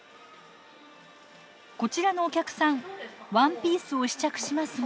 こちらのお客さんワンピースを試着しますが。